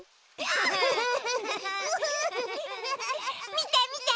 みてみて。